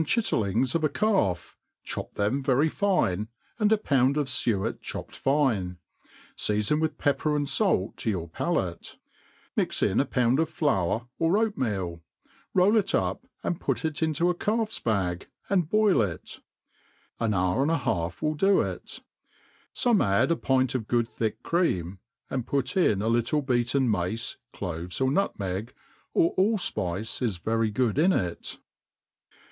chiUeriiiigt of a calf, chop tbeoA very fine, and a pound of fiiet chopped fine ; deafon with pepper and fait lo your palate $ min in a pound of flcuir^ or oatmeal, roll it up, and put it intp a caU'# bag,, and boil ifi ^ a» hour and a h»If will do it« Some add a pint of gpod thick eream, and put in a little beateQ mace,. plovesy or nutmegs oc all fpice ia very ^od in it.